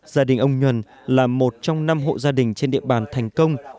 gia đình ông nhuần là một trong năm hộ gia đình trên địa bàn thành công